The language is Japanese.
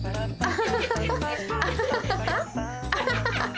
アハハハハ！